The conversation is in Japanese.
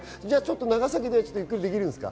長崎でゆっくりできますか？